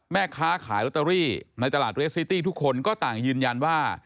แม่ค้าขายลอตเตอรี่ในตลาดเรสซิตี้ทุกคนก็ต่างยืนยันว่า